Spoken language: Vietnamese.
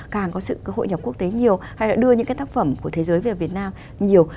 càng có sự hội nhập quốc tế nhiều hay là đưa những cái tác phẩm của thế giới về việt nam nhiều